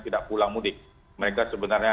tidak pulang mudik mereka sebenarnya